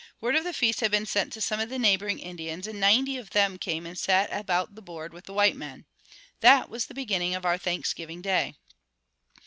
Word of the feast had been sent to some of the neighboring Indians and ninety of them came and sat about the board with the white men. That was the beginning of our Thanksgiving Day.